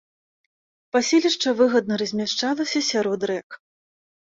Паселішча выгадна размяшчалася сярод рэк.